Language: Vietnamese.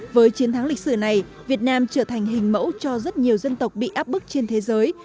với chiến thắng lịch sử này việt nam trở thành hình mẫu cho rất nhiều dân tộc bị áp bức trên thế giới